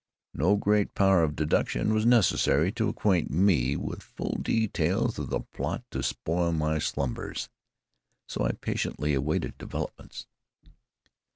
No great power of deduction was necessary to acquaint me with full details of the plot to spoil my slumbers. So I patiently awaited developments.